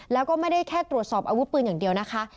แล้วก็ไม่ได้แค่ตรวจสอบอาวุธปืนอย่างเดียวนะคะ